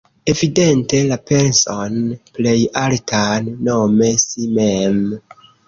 Evidente la penson plej altan, nome si mem.